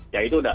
ya itu udah